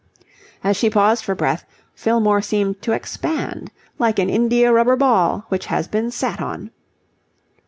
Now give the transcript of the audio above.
As she paused for breath, Fillmore seemed to expand, like an indiarubber ball which has been sat on.